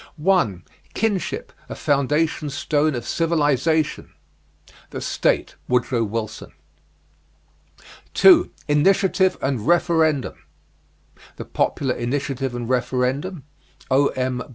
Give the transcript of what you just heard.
1. KINSHIP, A FOUNDATION STONE OF CIVILIZATION. "The State," Woodrow Wilson. 2. INITIATIVE AND REFERENDUM. "The Popular Initiative and Referendum," O.M.